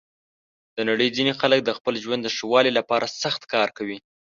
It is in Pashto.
د نړۍ ځینې خلک د خپل ژوند د ښه والي لپاره سخت کار کوي.